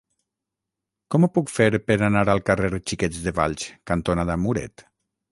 Com ho puc fer per anar al carrer Xiquets de Valls cantonada Muret?